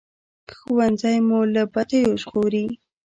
ښوونځی مو له بدیو ژغوري